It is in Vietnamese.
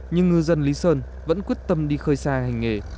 nhưng ngư dân lý sơn vẫn quyết tâm đi khơi xa hành nghề